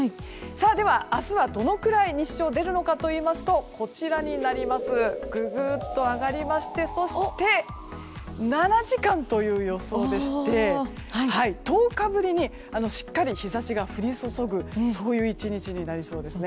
では明日はどのくらい日照出るのかといいますとぐぐっと上がりまして７時間という予想でして１０日ぶりにしっかり日差しが降り注ぐという１日になりそうですね。